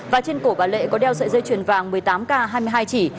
và trên cổ và lệ có đeo sợi dây chuyền vàng một mươi tám k hai mươi hai chỉ